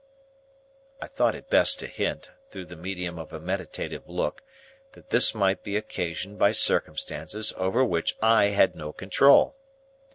I thought it best to hint, through the medium of a meditative look, that this might be occasioned by circumstances over which I had no control.